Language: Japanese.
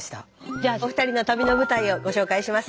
じゃあお二人の旅の舞台をご紹介します。